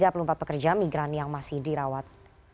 tiga puluh empat pekerja migran yang masih dirawat